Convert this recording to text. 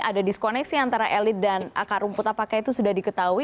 ada diskoneksi antara elit dan akar rumput apakah itu sudah diketahui